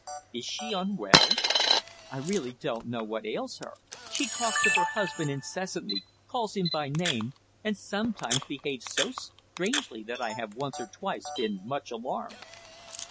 "Is she unwell?" "I really don't know what ails her. She talks of her husband incessantly, calls him by name, and sometimes behaves so strangely that I have once or twice been much alarmed."